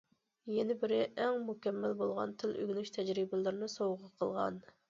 يەنە بىرى، ئەڭ مۇكەممەل بولغان تىل ئۆگىنىش تەجرىبىلىرىنى سوۋغا قىلغان.